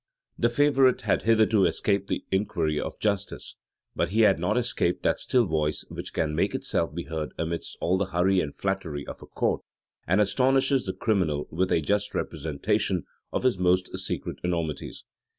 [] {1615.} The favorite had hitherto escaped the inquiry of justice; but he had not escaped that still voice which can make itself be heard amidst all the hurry and flattery of a court, and astonishes the criminal with a just representation of his most secret enormities.